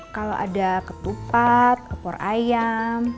kalau ada ketupat opor ayam